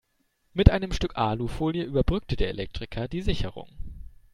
Mit einem Stück Alufolie überbrückte der Elektriker die Sicherung.